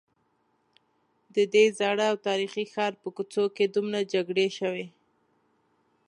ددې زاړه او تاریخي ښار په کوڅو کې دومره جګړې شوي.